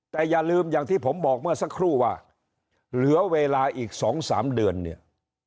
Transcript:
แต่อย่าลืมอย่างที่ผมบอกเมื่อสักครู่ว่าเหลือเวลาอีก๒๓เดือนเนี่ย